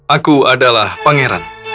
aku adalah pangeran